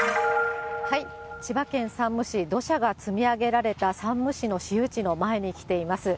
千葉県山武市、土砂が積み上げられた山武市の市有地の前に来ています。